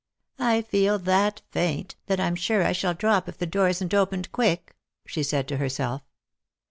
" I feel that faint, that I'm sure I shall drop if the door isn't opened quick," she said to herself.